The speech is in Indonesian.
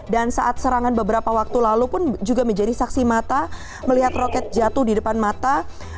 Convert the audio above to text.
dan saat serangan beberapa waktu lalu pun juga menjadi saksi mata melihat roket jatuh di depan mata